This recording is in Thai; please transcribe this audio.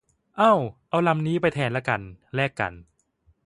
เอ้า เอาลำนี้ไปแทนละกัน แลกกัน